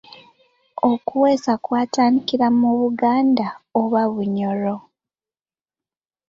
Okuweesa kwatandikira mu Buganda oba Bunyoro?